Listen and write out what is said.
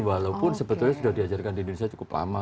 walaupun sebetulnya sudah diajarkan di indonesia cukup lama